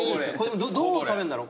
どう食べんだろ？